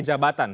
ini bagi jabatan